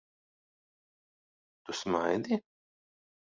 Tu smaidi?